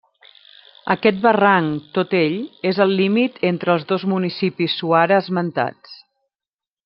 Aquest barranc, tot ell, és el límit entre els dos municipis suara esmentats.